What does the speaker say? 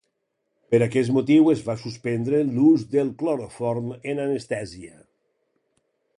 Per aquest motiu es va suspendre l'ús del cloroform en anestèsia.